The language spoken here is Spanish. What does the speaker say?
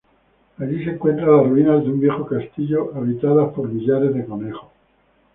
Allí se encuentran las ruinas de un viejo castillo habitadas por millares de conejos.